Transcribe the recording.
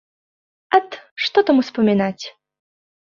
Ат, што там успамінаць!